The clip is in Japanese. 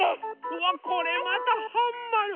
うわこれまたはんまる。